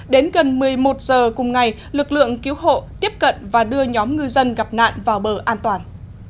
đến gần một mươi một giờ cùng ngày lực lượng cứu hộ tiếp cận và đưa nhóm ngư dân gặp nạn vào bờ an toàn